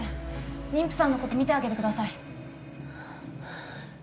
妊婦さんのこと診てあげてください